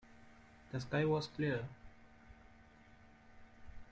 The sky was clear.